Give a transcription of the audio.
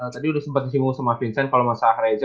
tadi udah sempet disimu sama vincent kalo masa akhir aja